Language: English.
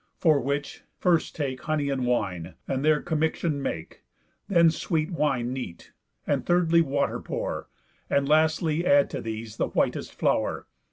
For which, first take Honey and wine, and their commixtion make; Then sweet wine neat; and thirdly water pour; And lastly add to these the whitest flour.